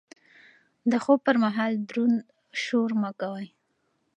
د خوب پر مهال دروند شور مه کوئ.